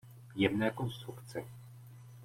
Jemné konstrukce.